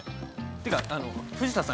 てかあの藤田さん